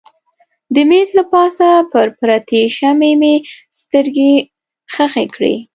د مېز له پاسه پر پرتې شمعې مې سترګې ښخې کړې.